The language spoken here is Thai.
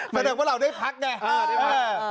แสดงว่าเราได้พักเนี่ยเออเออ